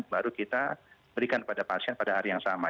baru kita berikan pada pasien pada hari yang sama